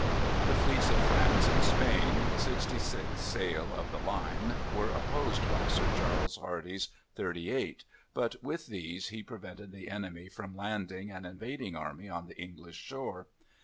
The fleets of France and Spain, sixty six sail of the line, were opposed by Sir Charles Hardy's thirty eight, but with these he prevented the enemy from landing an invading army on the English shore.